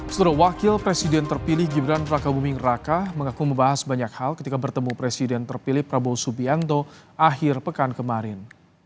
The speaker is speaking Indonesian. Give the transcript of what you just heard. setelah wakil presiden terpilih gibran raka buming raka mengaku membahas banyak hal ketika bertemu presiden terpilih prabowo subianto akhir pekan kemarin